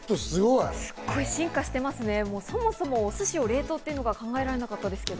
すごい進化してますね、そもそもお寿司を冷凍っていうのが考えられなかったですけど。